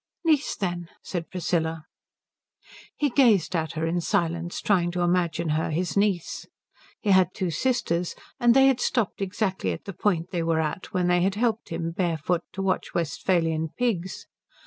"Niece, then," said Priscilla. He gazed at her in silence, trying to imagine her his niece. He had two sisters, and they had stopped exactly at the point they were at when they helped him, barefoot, to watch Westphalian pigs.